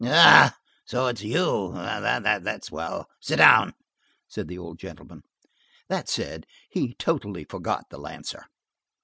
"Ah! so it's you; that is well, sit down," said the old gentleman. That said, he totally forgot the lancer.